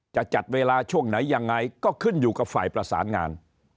จะจัดเวลาช่วงไหนยังไงก็ขึ้นอยู่กับฝ่ายประสานงาน